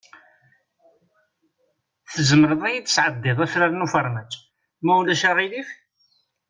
Tzemreḍ ad yi-d-tesɛeddiḍ afrar n ufermaj, ma ulac aɣilif?